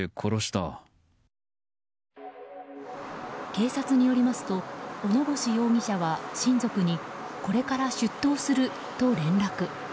警察によりますと小野星容疑者は親族にこれから出頭すると連絡。